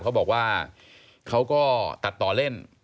เขาบอกว่าเขาก็ตัดต่อเล่น